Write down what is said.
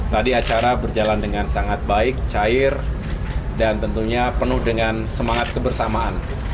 tadi acara berjalan dengan sangat baik cair dan tentunya penuh dengan semangat kebersamaan